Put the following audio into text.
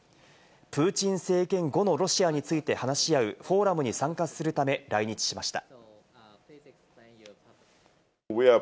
プーチン政権後のロシアについて話し合うフォーラムに参加するため来日しました。